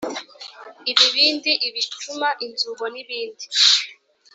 ibibindi, ibicuma, inzuho n’ibindi,